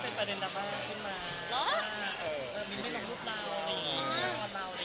ไม่ตอบเราก็ไม่ตอบ